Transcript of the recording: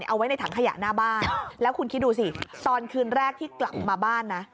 เอาไว้ในถังขยะหน้าบ้านแล้วคุณคิดดูสิตอนคืนแรกที่กลับมาบ้านนะ